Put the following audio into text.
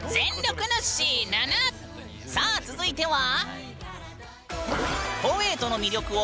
さあ続いては。